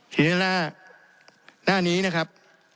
ทีนี้หน้านี้นะครับ